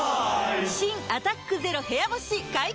新「アタックＺＥＲＯ部屋干し」解禁‼